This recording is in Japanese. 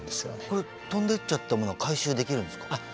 これ飛んでっちゃったものは回収できるんですか？